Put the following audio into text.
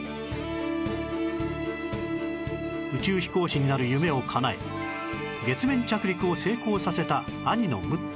宇宙飛行士になる夢をかなえ月面着陸を成功させた兄の六太